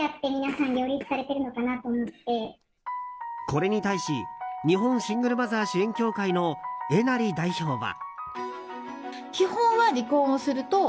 これに対し日本シングルマザー支援協会の江成代表は。